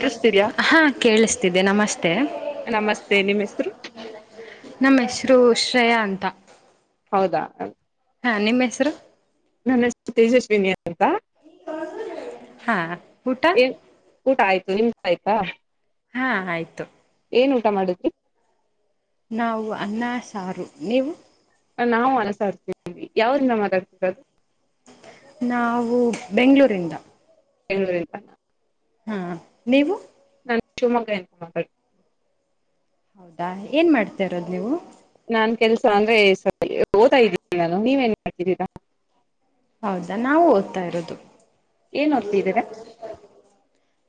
ಕೇಳಿಸ್ತಿದ್ಯಾ ಹಾ ಕೇಳಿಸ್ತ ನಮ್ಮಷ್ಟೆ ನಮಸ್ತೆ ನಿಮ್ ಹೆಸರು [unintelligible] ನಮ್ಮ ಹೆಸರು ಶ್ರಯಾಂತ ಹೌದಾ ಹಾ ನಿಮ್ಮ ಹೆಸರು ನನ್ನ ಹೆಸ್ರು ತೇಜಸ್ವಿನಿ ಅಂತ ಹಾ ಊಟ ಏ ನ್ಊಟ ಆಯ್ತು ನಿಮ್ ಆಯ್ತಾ ಹಾ ಆಯ್ತು ಏನ್ ಊಟ ಮಾಡುದುೆ ನಾವು ಅನ್ನ ಸಾರು ನೀವು ನಾವು ಅನಸಾಡ್ತಿದೀವಿ ಯಾವ್ರಂದ ಮಾತಾಡ್ತಿರ ಅದು ನಾವು ಬೆಂಗಗಳೂರಿಂದ ಬೆಂಗಳೂರು ಇಂದ ಹಾ ನೀವು ನನ್ ಚು ಮಗ ಎ ಮಗ ಹೌದಾ ಏನ್ ಮಾಡ್ತಿರೋದು್ ನೀವು ನಾನ್ ಕೆಲ್ಸ ಅಂದ್ರೆ ಓತಾ ಇದ್ದೀಿ ನಾನು ನೀವೇನ್ ಮಾಡ್ತಿದ್ದೀರಾ ಹೌದಾ ನಾವು ಓದ್ತಾ ಇರೋದು ಏನ್ ಓದ್ತಿದ್ದೀರಾ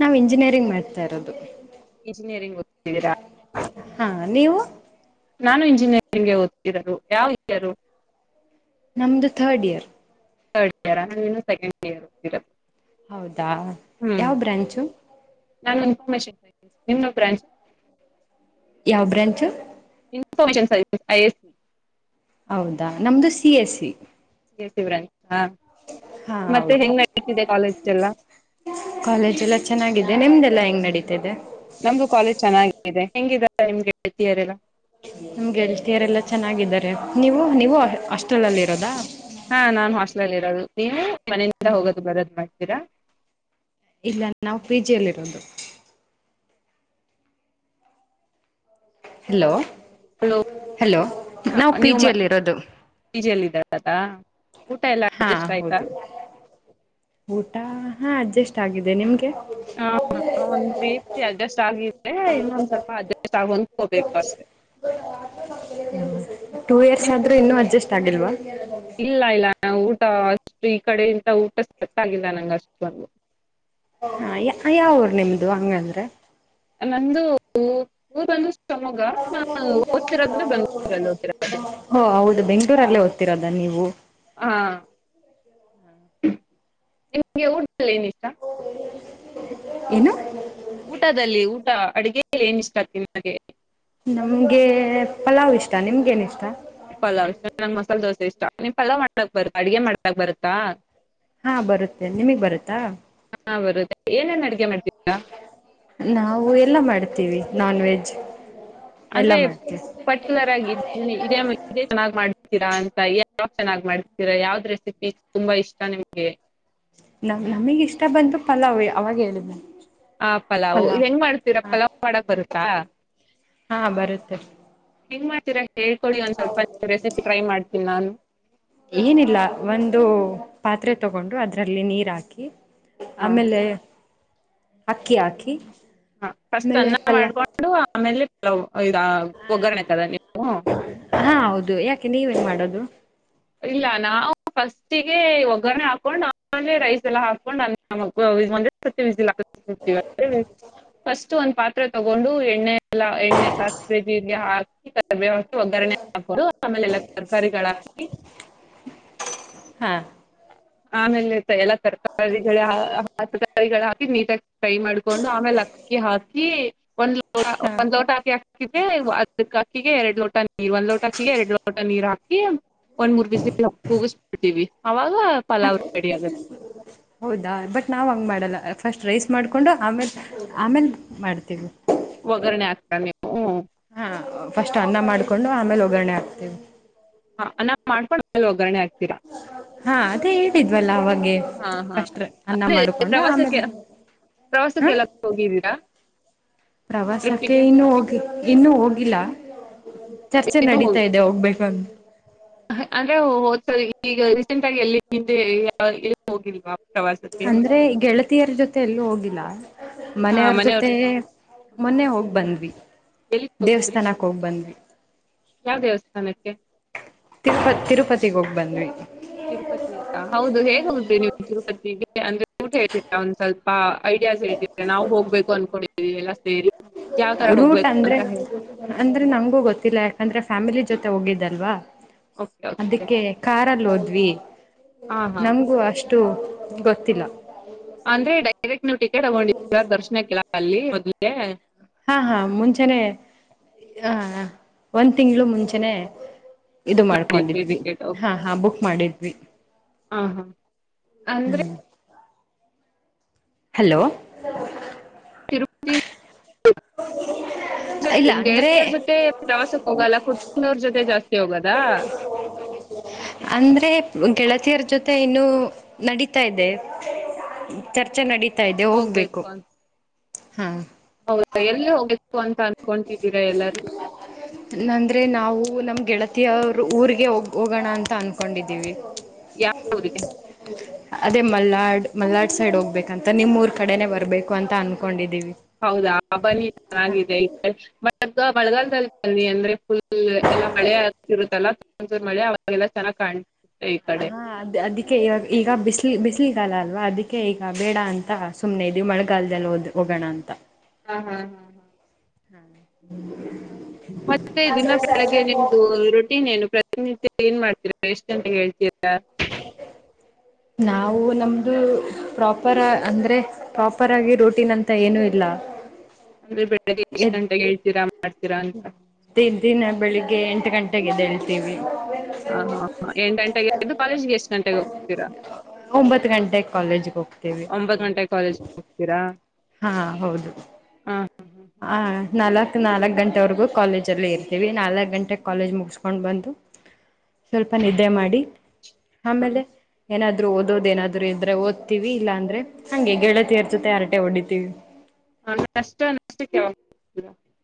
ನಾಾವ್ ಇಂಜಿನಿಯರಿಂಗ್ ಮಾಡ್ತರೋದು ಇಂಜಿನಿಯರಿಂಗ್ ಗ ಹಾ ನೀವು ನಾನು ಇಂಜಿನಿಯರಿಂಗ್ಗೆ ಓದ್ತರರು ಯಾವರು ನಮ್ದು ಥರ್ಡ್ ಇಯರ್ ಥರ್ಡ್ ಇಯರ್ ನೀನು ಸೆಕೆಂಡ್ ಇಯರ್ರ ಹೌದಾ ಯಾವ ಬ್ರಾಂಚು ನಾನು ಇನ್ಫಾರ್ಮೇಶನ್ತೀ ನಿಮನ ಬ್ರಾಂಚ್ ಯಾವ branch information service I S ಹೌದಾ ನಮ್ದು ಸಿ ಎಸ್ ಸಿ ಹಾ ಮತ್ತೆ ಹೌದು ಹೆಂಗ ನಡತಿದೆ ಕಾಲೇಜ ಎಲ್ಲ ಕಾಲೇಜ್ ಎಲ್ಲ ನಿಮ್ದೆಲ್ಲ ಚೆನ್ನಾಗಿದೆ ಹೆಂಗ್ ನಡೀತದೆ ನಮ್ದು ಕಾಲೇಜ್ ಚೆನ್ನಾಗಾಗಿದೆ ಹೆಂಗಿದಟೈಮ್ಗೆ ಹೇಳ್ತಯಾರೆಲ್ಲ ನಮ್ಗೆೇಳ್ತಿಯರೆಲ್ಲ ಚೆನ್ನಾಗಿದ್ದಾರೆ ನೀವು ನೀವು ಹಾಸ್ಟೆಲ್ಲ್ಲಿ ಇರೋದಾ ಹಾ ನಾನ್ ಹಾಸ್ಟ್ಟಲ್ಲಿ ಇರೋದು ನೀವು ಮನೆಯಿಂದ ಹೋಗೋದು ಬರೋದ್ ಮಾಡಿ ಎರ ಇಲ್ಲ ನಾವು ಪಿಜಿಯಲ್ಲಿ ಇರೋದು ಹಲೋ ಹಲೋ ಹಲೋ ನಾವು ಪಿ ಜಿ ಅಲ್ಲಿ ಇರೋದು ತಾತ ಹಾ ಹೌದು ಊಟ ಹಾ ಅಡ್ಜಸ್ಟ್ ಆಗಿದೆ ನಿಮ್ಗೆ ಹಾ ಒಂದ್ ರೀತಿ ಅಡ್ಜಸ್ಟ್ ಆಗಿದೆ ಇನ್ನೊಂದ್ ಸ್ವಲ್ಪ ಅಡ್ಜಸ್ಟ್ ಆಗ್ ಹೊಂದ್ಕೋಬೇಕು ಅಷ್ಟೆ ತಾಗಿಲ್ವಾ [unintelligible] ಊಟ ಇಲ್ಲ ಅಷ್ಟು ಈ ಕಡೆ ಇಂತ ಊಟ ಸೆಟ್ಟಾಗಿಲ್ಲ ನಂಗ್ ಅಷ್ಟೊಂದು ಹ ಯ ಯಾವೂರ್ ನಿಮ್ದು ಹಂಗಂದ್ರೆ ನಂದು ಊರ್ ಬಂದು ಶಿವಮೊಗ್ಗ ನಾ ನಮ್ಮನೇಲಿ ಇಜಾಗಂ ಓದ್ತಿರೋದ್ರೆ ನಾನು ಬೆಂಗಳೂರಲ್ಲಿ ಓದ್ತಿರೋದು ಬಂದ್ಬಿಟ್ಟು ಹ ಹೌದು ಬೆಂ ಊರಲ್ಲಿ ಅಲ್ಲ ಓದ್ತಿರೋದ ನೀವು ಹಾ ನಿಮ್ಗೆ ಊಟದಲ್ಲಿ ಏನ ಇಷ್ಟ ಏನು ಊಟದಲ್ಲಿ ಊಟ ಅಡಗೆಲ್ಲಿ ಏನ್ ಇಷ್ಟ ಆಗ್ತಿ ನಿಮಗೆ ನಮ್ಗೆ ಪಲಾವ್ ಇಷ್ಟ ನಿಮ್ಮಗೇನು ಇಷ್ಟ ಪಲಾವ್ ಮಸಾಲೆ ದೋಸೆ ಇಷ್ಟ ನೀ ಪಲಾವ ಮಾಡ್ಲಾಕ್ ಬರುತ್ತಾ ಅಡ್ಗೆ ಮಾಡ್ಲಾಕ್ ಬರುತ್ತಾ ಹಾ ಬರುತ್ತೆ ನಿಮಗ್ ಬರುತ್ತಾ ಹಾ ಬರುತ್ತೆ ಏನೇನ್ ಅಡಿಗೆ ಮಾಡ್ತೀರಾ ನಾವು ಎಲ್ಲ ಮಾಡ ತವಿ ನಾನ್ ವೆಜ್ ಎಲ್ಲ ಅಂದ್ರೆ ಮಾಡ್ತೀವಿ ಪರ್ಟಿಕ್ಯುಲರ್ ಆಗಿ ಇದೆ ಚೆನ್ನಾಗಿಮಾಡಿ ಇರಾ ಅಂತಯಾವ ಚೆನ್ನಾಗಿ ಮಾಡ್ತೀರಾ ಯಾವ್ದ್ ರೆಸಿಪಿ ತುಂಬಾ ಇಷ್ಟ ನಿಮ್ಗೆ ನಾವ ನಮಗ್ ಇಷ್ಟ ಬಂತು ಪಲಾವ್ ವೆ ಅವಾಗ ಹೇಳಿದ್ದ ಹ ಪಲಾವ್ ಹೆಂಗ ಮಾಡತಿರ ಪಲಾವ್ ಮಾಡಕ್ ಬರುತ್ತಾ ಹಾ ಬರುತ್ತೆ ಹೆಂಗ ಮಾಡತಿರ ಹೇಳಿಕೊಳ್ಳಿ ಒಂದ್ ಸ್ವಲ್ಪ ರೆಸಿಪಿ ಟ್ರೈ ಮಾಡ್ತೀನಿ ನಾನು ಏನಿಲ್ಲ ಒಂದು ಪಾತ್ರೆ ತಗೊಂಡು ಅದರಲ್ಲಿ ನೀರು ಹಾಕಿ ಆಮೇಲೆ ಅಕ್ಕಿ ಹಾಕಿ ಹ ಫಸ್ಟ್ ಆಮೇಲೆ ಅನ್ನ ಪಲ್ಲ ಮಾಡ್ಕೊಂಡು ಆಮೇಲೆ ಹಲೋ ಹಾ ಹೌದು ಯಾಕೆ ನೀವೇನ್ ಮಾಡದು ಹದು ಇಲ್ಲ ನಾವು ಫಸ್ಟಿಗೆ ಒಗ್ಗರಣೆ ಹಾಕೊಂಡ್ಆಮೇಲೆ ರೈಸ್ ಎಲ್ಲ ಹಾಕೊಂಡ್ಂದೆಒಂದೆ ಸತಿ ವಿಜಿಲ್ ಹಾಕ್ ಕ್ಲ್ಜ್ ಫಸ್ಟ್ ಒಂದ್ ಪಾತ್ರೆ ತಗೊಂಡು ಎಣ್ಣೆ ಎಲ್ಲ ಎಣ್ಣೆ ಸಾಸಿ ಜೀರಿಗೆ ಹಾಕಿ ಕರಿಬೇವು ಒಗ್ಗರಣೆ ಹಾಕೋುದು ಆಮೇಲೆ ಎಲ್ಲಾ ತರ್ಕಾರಿಗಳ ಹಕ್ ಹಾ ಆಮೇಲೆ ತೈಲ ತರಕಾರಿಗಳ ಹಾಕಿ ನೀಟಾಗಿ ಫ್ರೈ ಮಾಡ್ಕೊಂಡು ಆಮೇಲೆ ಅಕ್ಕಿ ಹಾಕಿ ಒಂದ ಲೋ ಹ ಹಾ ಒಂದು ಲೋಟ ಅಕ್ಕಿ ಹಾಕಿ ಹೀಗೆ ಅದಕ್ ಅಕ್ಕಿಗೆ ಎರಡ್ ಲೋಟ ನೀರ್ ಒಂದ್ ಲೋಟ ಅಕ್ಕಿಗೆ ಎರಡ್ ಲೋಟ ನೀರ್ ಹಾಕಿ ಒಂದ್ ಮೂರ್ ಬಿಸಿ ಕೂಗಿಸಸ್ಬಿಡ್ತೀವಿ ಅವಾಗ ಹ ಪಲಾವ್ ರೆಡಿ ಆಗುತ್ತೆ ಹೌದಾ ಬಟ್ ನಾವ್ ಹಂಗ ಮಾಡಲ್ಲ ಫಸ್ಟ್ ರೈಸ್ ಮಾಡಿಕೊಂಡು ಆಮೇಲೆ ಆಮೇಲೆ ಕುಕ್ ಮಾಡ್ತೀವಿ ಒಗ್ಗರಣೆ ಆಗ್ತಾ ನೀವು ಹಾ ಫಸ್ಟ್ ಅನ್ನ ಮಾಡ್ಕೊಂಡು ಆಮೇಲೆ ಒಗ್ಗರಣೆ ಹಾಕ್ತೀವಿ ಹಾ ಅ ನಾ್ ಮಾಡ್ಕೊಂಡ ಒಗ್ಗರಣೆ ಆಗ್ತ [unintelligible] ಹಾ ಅದೆ ಹೇಳ್ತಿದ್ವಲ್ಲ ಅವಾಗ ಹಾ ಹಾ ಅ ಪ್ರವಾಸಕ್ಕೆ ಆಮೇಲೆ ಹಾ ಪ್ರವಾಸಕ್ಕೆಲ್ಲ ಹೋಗಿದೀರಾ ಪ್ರವಾಸಕ್ಕೆ ಇನ್ನು ಹೋಗಿ ಇನ್ನೂ ಹೋಗಿಲ್ಲ ಚರ್ಚೆ ಇನ್ನು ನಡಿತಾ ಇದೆ ಹೋಗ್ಬೇಕುಂದು ಅಂದ್ರೆ ಹದ್ಸ ಈಗ ರೀಸೆಂಟ್ ಆಗಿ ಎಲ್ಲಿ ಹಿಂದೆ ಇ ಹೋಗಿಲ್ವಾ [unintelligible] ಅಂದ್ರೆ ಗೆಳತಿಯರ ಜೊತೆ ಎಲ್ಲ ಹೋಗಿಲ್ಲ ಮನೆಯವ್ರ ಜೊತೆ ಮೊನ್ನೆ ಹೋಗಿ ಬಂದ್ವಿ ಎಲ್ಲಿ ಹೋಗಿದ್ರಿ ದೇವಸ್ಥಾನಕ್ಕೆ ಹೋಗ್ ಬಂದ್ವಿ ಯಾವ ದೇವಸ್ಥಾನಕ್ಕೆ ತಿರುಪತಿಗೆ ಹೋಗಿ ಬಂದ್ವಿ ತಿರುಪತಿ ಹೌದು ಹೇಗ್ ಹೋಗಿ ನೀವು ತಿರುಪತಿಗೆ ಅಂದ್ರೆ ಊಟ ಹೇಳ್ತರಾ ಒಂದ್ ಸ್ವಲ್ಪ [unintelligible] ಐಡಿಯಾಸಹೇಳ್ರಿನಾವು ಹೊಗಬೇಕು ಅನ್ಕೊಂಡಿದಿವಿ ಇ ಎಲ್ಲ [unintelligible] ಯಾವ ತರ ರೂಟ್ ಹೋಗ್ಬೇಕು ಅಂದ್ರೆ ಅಂತ ಹೇಳಿ ಅಂದ್ರೆ ನಂಗಂಗೂ ಗೊತ್ತಿಲ್ಲ ಯಾಕಂದ್ರೆ ಫ್ಯಾಮಿಲಿ ಜೊತೆ ಹೋಗಿದ್ದಲ್ವಾ ಓಕೆ ಓಕೆ ಅದಕ್ಕೆ ಕಾರಲ್ಲ ಹ [unintelligible] ವಿ ಹಾ ಹಾ ನಮಗು ಅಷ್ಟು ಗೊತ್ತಿಲ್ಲ ಅಂದ್ರೆ ಡೈರೆಕ್ಟ್ ನೀವ್ ಟಿಕೆಟ್ ತಗೊಂಡಿದೀರಾ ದರ್ಶನಕ್ಕೆ ಅಲ್ಲಿ ಆಾ [inaudible] ಹಾ ಹಾ ಮುಂಚೆನೆ ಹ ಒಂದ್ ತಿಂಗ್ಗಳು ಮುಂಚೆನೆ ಇದು ಮಾಡಿದ್ರಿ ಮಾಡ್ಕೊಂಡಿದ್ವಿ ಹಾ ಹಾ ಬುಕ್ ಮಾಡಿದ್ವಿ ಆ ಹಾ ಅಂದ್ರೆ ಹಲೋ ತಿರುಪತಿ ೊ ಇಲ್ಲ ಅಂದ್ರೆ ಗೆಳತಿಯರ್ ಜೊತೆ ಪ್ರವಾಸಕ್ಕೆ ಹೋಗಲ್ಲ ಕುಟ್ಟಕನವ್ರ ಜೊತೆ ಜಾಸ್ತಿ ಹೋಗದ [unintelligible] ಅಂದ್ರೆ ಗೆಳತಿಯರ ಜೊತೆ ಇನ್ನು ನಡಿತಾ ಇದೆ ಚರ್ಚೆ ನಡಿತ ತ ಇದೆ ಹೋಗ್ಬೇಕು ಹಾ ಹೌದಾ ಎಲ್ಲಿ ಹೋಗಿಸಕೊಅಂತ ನಂದ್ರೆ ನಾವು [unintelligible] ವು, ನಮ್ ಗೆಳತಿಯವರ್ ಊರಿಗೆ ಹೋಗ್ ಹೋಗೋಣ ಅಂತ ಅನ್ಕೊಂಡಿದ್ದೀವಿ. ಹ ಯಾವ ಊರಿಗೆ [unintelligible] ಅದೇ ಮಲ್ನಾಡ್ ಮಲ್ನಾಡ್ ಸೈಡ್ ಹೋಗ್ಬೇಕಂತ. ನಿಮ್ ಊರ್ ಕಡೆನೆ ಬರ್ಬೇಕು ಅಂತ ಅನ್ಕೊಂಡಿದ ಹೌದಾ, ಬನ್ನಿ [unintelligible] ಚೆನ್ನಾಗಿದೆ [unintelligible] ಗ [unintelligible] ಮಳೆಗಾಲದಲ್ಲಿ ಬನ್ನಿ ಅಂದ್ರೆ ಫುಲ್ ಎಲ್ಲಾ ಮಳೆ ಆಗ್ತಿರುತ್ತಲ್ಲ, [unintelligible] ಮಳೆ ಅವಾಗೆಲ್ಲ ಚೆನ್ನಾಗ್ ಕಾಣ ಹಾ ಅದ್ ಅದಕ್ಕೆ ಇವಾಗ ಈಗ ಬಿಸ್ ಬ [unintelligible] ಬಿಸಿಲಿಗಾಲ ಅಲ್ವಾ ಅದಕ್ಕೆ ಈಗ ಬೇಡ ಅಂತ ಸುಮ್ಮನೆ ಇದೀವಿ ಮಳೆಗಾಲದಲ್ಲ ಹೊದ್ ಹೋಗೋಣ ಅಂತ. ಹಾ ಹಾ ಹಾ ಹಾ ಹಾ [unintelligible] ಮತ್ತೆ ದಿನ ಬೆಳಗ್ಗೆ ನಿಮ್ದು ರೂಟೀನ್ ಏನು? [unintelligible] ಏನ್ ಮಾಡ್ತೀರಾ? ಎಷ್ಟ ಗಂಟೆಗ್ ಏಳ್ತೀರ? ಯ [unintelligible] ನಾವು ನಮ್ದು ಪ್ರಾಪರ್ ಅಂದ್ರೆ, ಪ್ರಾಪರ್ ಆಗಿ ರುಟೀನ್ ಅಂತ ಏನು ಇಲ್ಲ ಅಂದ್ರೆ ಬೆಳಿಗ್ಗೆ ಎಷ್ಟ್ ಗಂಟೆಗೆ ಏಳ್ತೀರಾ? ಅಂತ ದಿ ದಿನ ಬೆಳಿಗ್ಗೆ ಎಂಟು ಗಂಟೆ ೆಗೆ [unintelligible] ಎದಳತೀವಿ. ಹ ಹಾ ಹ ಎಂಟ್ ಗಂಟೆಗೆದ್ದು ಕಾಲೇಜೆಗೆಷ್ಟ್ ಗಂಟೆಗೆ ಹೋಗ್ತೀರಾ? ಒಂಬತ್ತು ಗಂಟೆಗೆ ಕಾಲೇಜ್ಗೆ ಹೋಗ್ತೀವಿ ಒಂಬತ್ ಗಂಟೆಗ್ ಕಾಲೇಜ್ ಹೋಗ್ತೀರಾ? ಹಾ ಹೌದು. ಹಾ ಹಾ ನಾಲಕ್ ನಾಲಕ್ ಗಂಟೆವರೆಗೂ ಕಾಲೇಜಲ್ಲೆ ಇರ್ತೀವಿ, ನಾಲಕ್ ಗಂಟೆಗೆ ಕಾಲೇಜ್ ಮುಗಸ್ಕೊಂಡ್ ಬಂದು ಸ್ವಲ್ಪ ನಿದ್ದೆ ಮಾಡಿ, ಹಾ ಆಮೇಲೆ ಏನಾದ ಓದೋದ ಏನಾದ್ರು ಇದ್ರೆ ಓದ್ತಿವಿ, ಇಲ್ಲಾಂದ್ರೆ ಹಂಗೆ ಗೆಳತಿಯರ್ ಜೊತೆ ಹರಟೆ ಹೊಡಿತೀವಿ. ಹ ನಷ್ಟ ನಷ್ಟಕ್ಕೆ [unintelligible]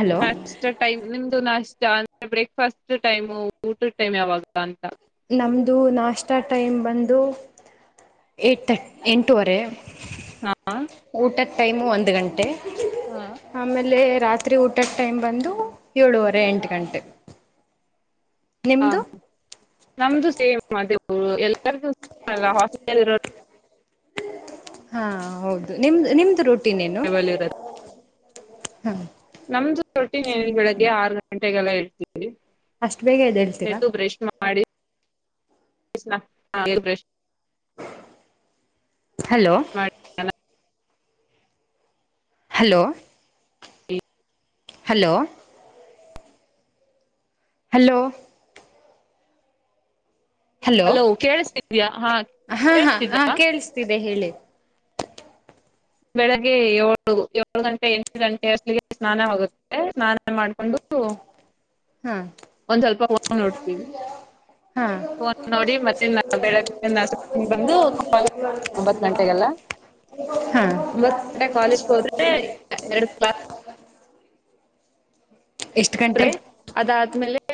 ಹಲೋ ನಾಷ್ಟ ಟೈಮ್, ನಿಮ್ದು ನಾಷ್ಟ [unintelligible] ಬ್ರೇಕ್ ಫಾಸ್ಟ್ ಟೈಮು, ಊಟದ ಟೈಮ್ ಯಾವಾಗ ಅಂತ? ನಮ್ದು ನಾಷ್ಟಾ ಟೈಮ್ ಬಂದು, ಏಟ್ ತ [unintelligible] ಎಂಟುವರೆ ಹಾ ಊಟ [unintelligible] ಟೈಮು ಒಂದ್ ಗಂಟೆ. ಹಾ [unintelligible] ಆಮೇಲೆ ರಾತ್ರಿ ಊಟದ ಟೈಮ್ ಬಂದು, ಏಳೂವರೆ ಎಂಟ್ ಗಂಟೆ. ಹಾ, ನಿಮ್ದು ನಮ್ದು ಸೇಮ್ ಅದೇ. ಎಲ್ಲರಿಗುಪಲ್ [unintelligible] ಹಾ, ಹೌದು. ನಿಮ್ದ ನಿಮ್ದು ರೊಟ್ಟಿ ಿನೇನು ಇರತ್ತೆ [unintelligible] ಹಾ ನಮ್ದು ರೊಟ್ಟಿನೆ ಬೆಳಿಗ್ಗೆ ಆರು ಗಂಟೆಗೆಲ್ಲ ಏಳ್ತೀನಿ. ಅಸ್ಟ್ ಬೇಗ ಎದ್ದೇಳ್ತೀರ. [unintelligible] ನ ಬ್ರಷ್ ಹಲೋ ಮಾಡಿ ಹಲೋ ಹಲೋ ಹಲೋ ಹಲೋ ಕೇಳಿಸ್ತಿದ್ಯಾ ಹಾ [unintelligible] ಹಾ ಹಾ ಹ ಕೇಳಿಸ್ತಿದ್ಯಾ ಕೇಳಿಸ್ತಿದೆ ಹೇಳಿ. ಬೆಳಿಗ್ಗೆ ಏಳು ಏಳು ಗಂಟೆ ಎಂಟು ಗಂಟೆ ಅಷ್ಟಿಗೆ ಸ್ನಾನವಾಗುತ್ತೆ ಸ್ನಾನ ಮಾಡ್ಕೊಂಡು ಹಾ ಒಂದ್ ಸ್ವಲ್ಪ ಫೋನ್ ನೋಡ್ತೀವಿ [unintelligible] ಹಾ ಫೋನ್ ನೋಡಿ ಮತ್ತೆ ಬೆಳಗ್ಗೆ ನಾಷ್ಟ ಬಂದು ಒಂಬತ್ ಗಂಟೆಗೆಲ ಹಾ ಒಂಬತ್ ಗಂಟೆ ಕಾಲೇಜ್ಗೆ ಹೋದ್ರೆ ಎರಡು ಕ್ಲಾ ಎಷ್ಟು ಗಂಟೆ ರೇ ಅದಾದ್ಮೇಲೆ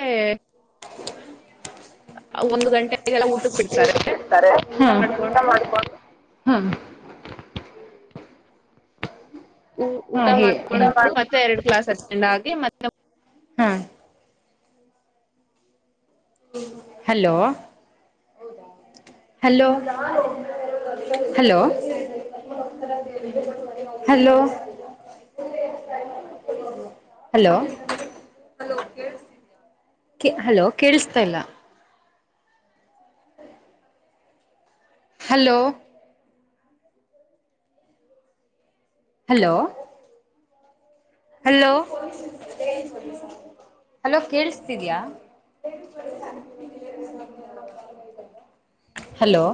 ಆ ಒಂದು ಗಂಟೆ. ಹ್ಮ ಮಾಡ್ಕೊಂಡು ಹ್ಮ್ ಹಾ ಊಟ ಹೇ ಮಾಡ್ಕೊಂಡು ಮತ್ತೆ ಎರಡು ಕ್ಲಾಸ್ ಅಟೆಂಡ್ ಆಗಿ ಮತ್ ಹ hello hello hello hello hello ಕೆ ಹಲೋ ಕೇಳಿಸ್ತಾ ಇಲ್ಲ. ಹಲೋ ಹಲೋ ಹಲೋ ಹಲೋ ಕೇಳಿಸ್ತಿದ್ಯಾ hello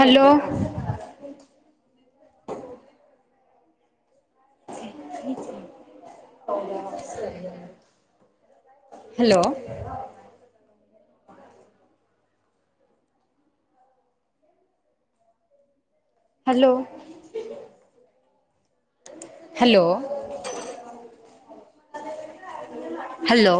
hello hello hello hello hello